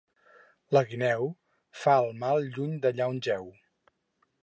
La guineu fa el mal lluny d'allà on jeu.